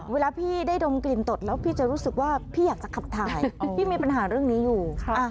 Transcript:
เวลาพี่ได้ดมกลิ่นตดแล้วพี่จะรู้สึกว่าพี่อยากจะขับถ่ายพี่มีปัญหาเรื่องนี้อยู่